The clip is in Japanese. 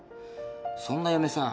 そんな嫁さ